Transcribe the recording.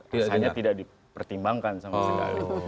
rasanya tidak dipertimbangkan sama sekali